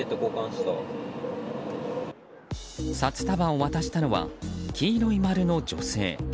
札束を渡したのは黄色い丸の女性。